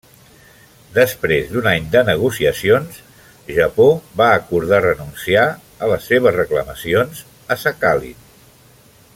Després d'un any de negociacions, Japó va acordar renunciar les seves reclamacions a Sakhalin.